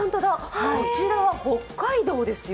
こちら、北海道ですよ。